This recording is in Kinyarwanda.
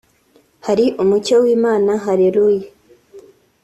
hari umucyo w'Imana Halleluyah